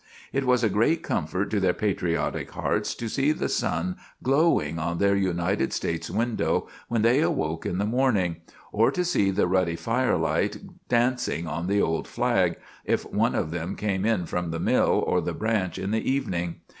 It was a great comfort to their patriotic hearts to see the sun glowing on their United States window when they awoke in the morning, or to see the ruddy firelight dancing on the old flag, if one of them came in from the mill or the branch in the evening.